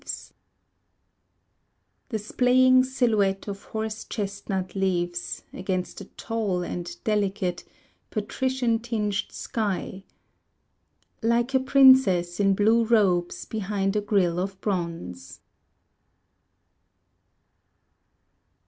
Leaves The splaying silhouette of horse chestnut leaves Against the tall and delicate, patrician tinged sky Like a princess in blue robes behind a grille of bronze.